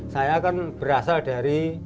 saya kan berasal dari